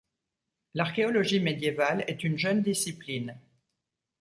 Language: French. L'archéologie médiévale est une jeune discipline.